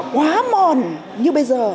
quá mòn như bây giờ